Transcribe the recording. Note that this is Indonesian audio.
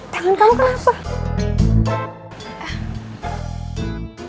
tangan kamu kenapa